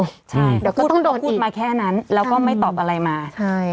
เดี๋ยวก็ต้องโดนพูดมาแค่นั้นแล้วก็ไม่ตอบอะไรมาใช่